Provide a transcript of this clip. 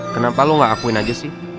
kenapa lo gak akuin aja sih